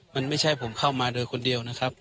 มันไม่ใช่ผมเข้ามาโดยคนเดียวนะครับ